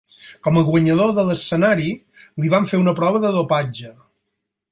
Com a guanyador de l'escenari, li van fer una prova de dopatge.